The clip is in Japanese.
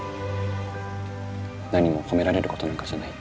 何も褒められることなんかじゃない。